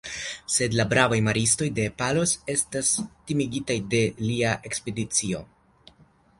Sed la bravaj maristoj de Palos estas timigitaj de lia ekspedicio.